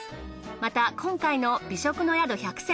また今回の美食の宿１００選